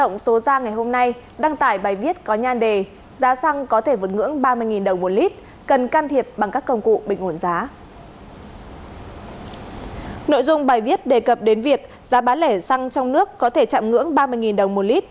nội dung bài viết đề cập đến việc giá bán lẻ xăng trong nước có thể chạm ngưỡng ba mươi đồng một lít